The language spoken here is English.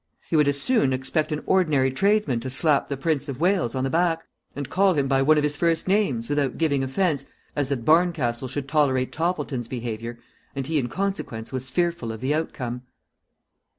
He would as soon expect an ordinary tradesman to slap the Prince of Wales on the back, and call him by one of his first names, without giving offence, as that Barncastle should tolerate Toppleton's behaviour, and he in consequence was fearful of the outcome.